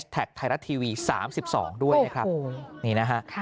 ไทยรัททีวี๓๒ด้วยงี้นะฮะ